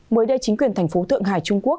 mới đây chính quyền thành phố thượng hải trung quốc